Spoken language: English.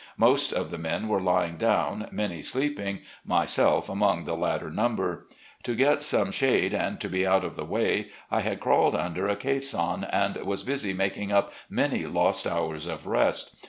Most of the men were lying down, many sleeping, myself among the latter number. To get some shade and to be out of the way, I had crawled under a caisson, and was busy making up many lost hours of rest.